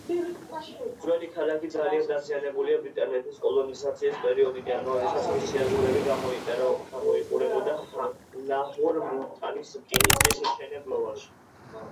ძველი ქალაქი ძალიან დაზიანებულია ბრიტანეთის კოლონიზაციის პერიოდიდან, როდესაც მისი აგურები გამოიყენებოდა ლაჰორ—მულტანის რკინიგზის მშენებლობაში.